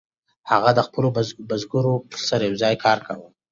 هغه د خپلو بزګرو سره یوځای کار کاوه.